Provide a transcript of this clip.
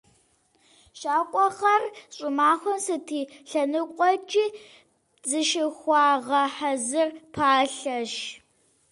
ЩэкӀуэгъуэр щӀымахуэм сыт и лъэныкъуэкӀи зыщыхуагъэхьэзыр пӀалъэщ.